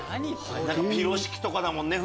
ピロシキとかだもんね